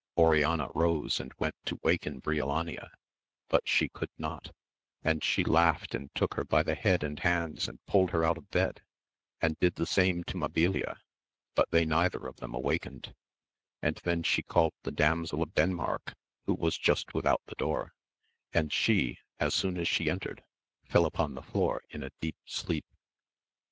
Oriana rose and went to awaken Brio lania, but she could not, and she laughed and took her by the head and hands and pulled her out of bed, and did the same to Mabilia, but they neither of them awakened ; and then she called the Damsel of Den mark, who was just without the door, and she, as soon as she entered, fell upon the floor in a deep sleep.